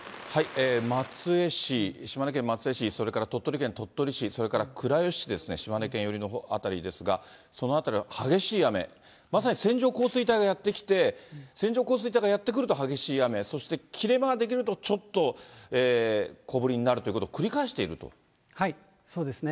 松江市、島根県松江市、それから鳥取県鳥取市、それから倉吉市ですね、島根県寄りの辺りですが、その辺りは激しい雨、まさに線状降水帯がやって来て、線状降水帯がやって来ると、激しい雨、そして切れ間が出来るとちょっと小降りになるということをくり返そうですね。